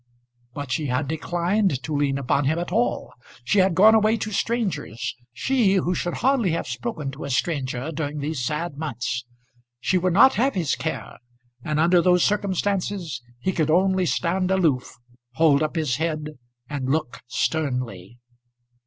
But she had declined to lean upon him at all. She had gone away to strangers, she, who should hardly have spoken to a stranger during these sad months! She would not have his care; and under those circumstances he could only stand aloof, hold up his head, and look sternly.